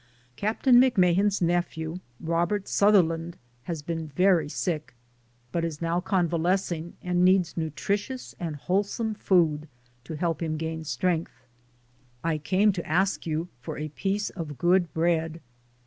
Captain McMahan's nephew, Robert Southerland, has been very sick but is now convalescing and needs nutritious and wholesome food to help him gain strength. I came to ask you for a piece of good bread."